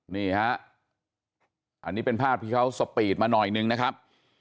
นี่ฮะอันนี้เป็นภาพที่เขาสปีดมาหน่อยนึงนะครับ